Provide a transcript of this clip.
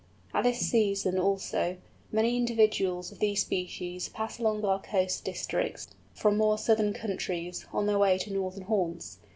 At this season, also, many individuals of these species pass along our coast districts from more southern countries, on their way to northern haunts.